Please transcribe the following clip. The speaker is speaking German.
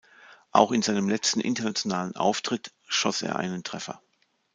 Auch in seinem letzten internationalen Auftritt schoss er einen Treffer.